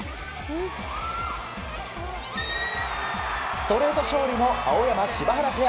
ストレート勝利の青山、柴原ペア。